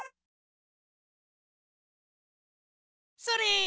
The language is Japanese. それ！